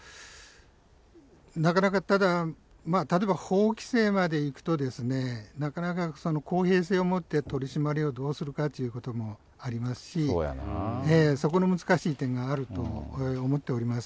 なかなかただ、例えば法規制までいくと、なかなか公平性をもって取締りをどうするかということもありますし、そこの難しい点があると思っております。